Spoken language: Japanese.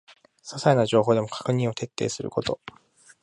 ささいな情報でも確認を徹底すること